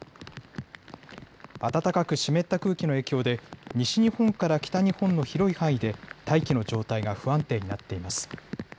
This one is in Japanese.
暖かく湿った空気の影響で西日本から北日本の広い範囲で大気の状態が不安定になっています。